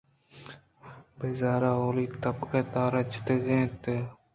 برز ءِ اولی تبک ءَ دار جتگ اِت اَنت